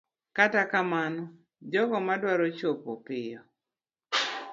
Kata kamano, jogo madwaro chopo piyo